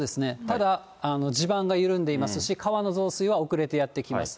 ただ、地盤が緩んでいますし、川の増水は遅れてやって来ます。